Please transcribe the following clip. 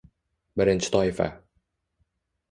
Birinchi toifa